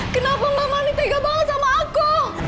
kenapa mbak manny tega banget sama aku